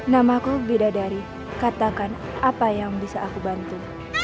namaku bidadari katakan apa yang bisa aku bantu